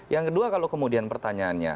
yang kedua kalau kemudian pertanyaannya